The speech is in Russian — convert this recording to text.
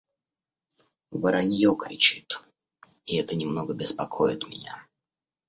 Воронье кричит, и это немного беспокоит меня.